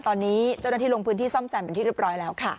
ตอนนี้เจ้าหน้าที่ลงพื้นที่ซ่อมแซมเป็นที่เรียบร้อยแล้วค่ะ